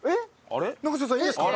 永瀬さんいいんですか？